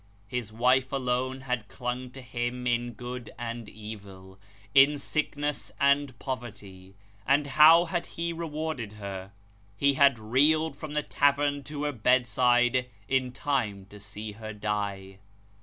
His wife alone had clung to him in good and evil, in sick ness and poverty, and how had he rewarded her? He had reeled from the tavern to her bedside in time to see her die.